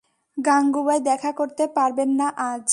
গাঙুবাই দেখা করতে পারবেন না আজ।